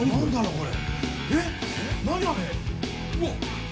これ！